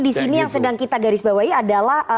di sini yang sedang kita garis bawahi adalah